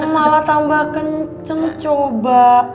malah tambah kenceng coba